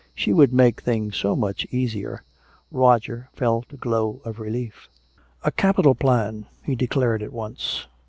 She would make things so much easier." Roger felt a glow of relief. "A capital plan!" he declared at once.